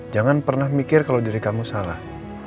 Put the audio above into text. jangan pernah mikir kalau diri kamu salah